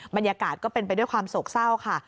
บรรยากาศก็เป็นไปด้วยความโศกเศร้าค่ะ